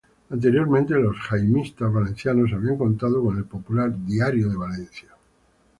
Anteriormente los jaimistas valencianos habían contado con el popular "Diario de Valencia".